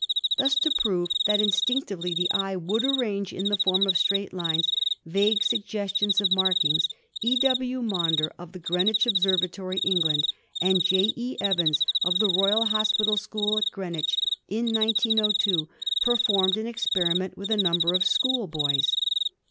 Thus, to prove that instinctively the eye would arrange in the form of straight lines vague suggestions of mark ings, E. W. Maunder, of the Greenwich Observatory, England, and J. E. Evans, of the Royal Hospital School at Greenwich, in 1902 performed an experiment with a number of schoolboys.